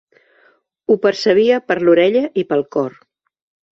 Ho percebia per l'orella i pel cor.